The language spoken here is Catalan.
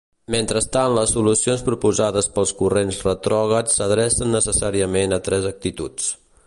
Mentrestant les solucions proposades pels corrents retrògrads s'adrecen necessàriament a tres actituds.